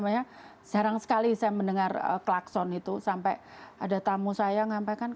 jarang sekali saya mendengar klakson itu sampai ada tamu saya ngampaikan